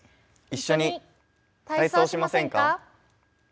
一緒に体操しませんか？